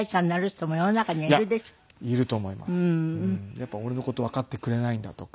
やっぱり俺の事わかってくれないんだとか。